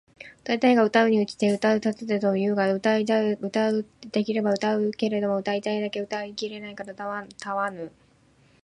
歌うたいが歌うたいに来て歌うたえと言うが歌うたいが歌うたうだけうたい切れば歌うたうけれども歌うたいだけ歌うたい切れないから歌うたわぬ！？